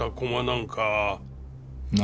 何？